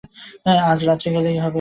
আজ রাত্রেই গেলে হবে।